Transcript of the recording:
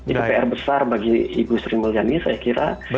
itu pr besar bagi ibu sri mulyani saya kira